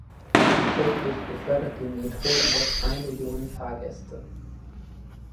Täglich befördert die Metro über zwei Millionen Fahrgäste.